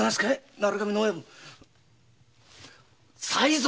鳴神の親分才三の兄貴‼